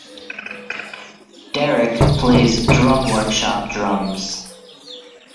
Derek plays Drum Workshop drums.